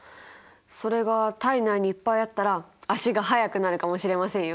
それが体内にいっぱいあったら足が速くなるかもしれませんよ。